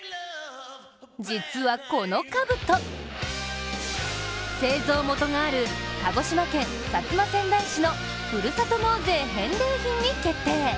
実はこのかぶと、製造元がある鹿児島県薩摩川内市のふるさと納税の返礼品に決定。